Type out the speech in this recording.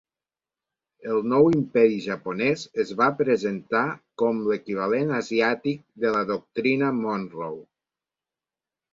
El nou imperi japonès es va presentar com l'equivalent asiàtic de la Doctrina Monroe.